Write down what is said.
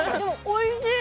おいしい！